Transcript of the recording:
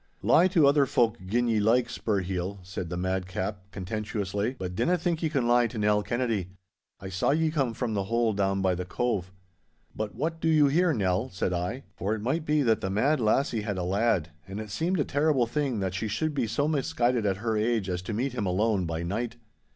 'Lie to other folk gin ye like, Spurheel,' said the madcap, contemptuously, 'but dinna think ye can lie to Nell Kennedy. I saw ye come from the hole down by the Cove.' 'But what do you here, Nell?' said I, for it might be that the mad lassie had a lad, and it seemed a terrible thing that she should be so misguided at her age as to meet him alone by night.